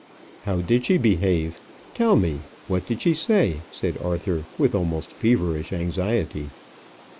"How did she behave? Tell me what did she say?" said Arthur, with almost feverish anxiety.